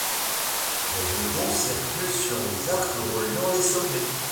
Les jetons circulent sur les arcs reliant les sommets.